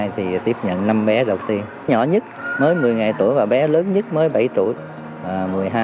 hai nghìn một mươi hai thì tiếp nhận năm bé đầu tiên nhỏ nhất mới một mươi ngày tuổi và bé lớn nhất mới bảy tuổi